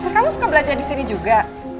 kamu suka belajar disini juga